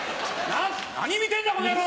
な何見てんだこの野郎！